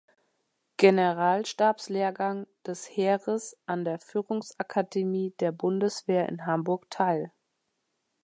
Generalstabslehrgang des Heeres an der Führungsakademie der Bundeswehr in Hamburg teil.